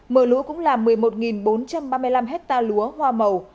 mưa lũ cũng làm một mươi một bốn trăm ba mươi năm hectare lúa hoa màu